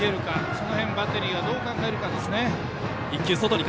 その辺、バッテリーがどう考えるかですね。